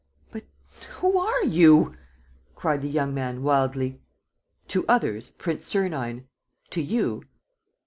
"But who are you?" cried the young man, wildly. "To others, Prince Sernine. ... To you